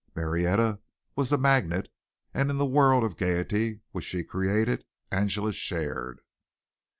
Marietta was the magnet, and in the world of gaiety which she created Angela shared.